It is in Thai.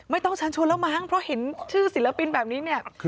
ต้องเชิญชวนแล้วมั้งเพราะเห็นชื่อศิลปินแบบนี้เนี่ย